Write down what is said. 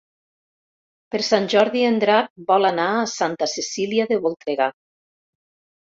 Per Sant Jordi en Drac vol anar a Santa Cecília de Voltregà.